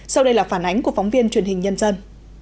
sau đây là phản ánh của phóng viên truyền hình nhân dân